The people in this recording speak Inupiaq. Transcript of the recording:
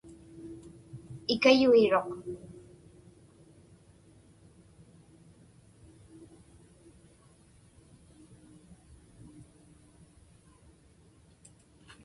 Ikayuiruq.